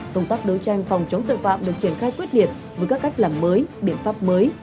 công tác đấu tranh phòng chống tội phạm được triển khai quyết liệt với các cách làm mới biện pháp mới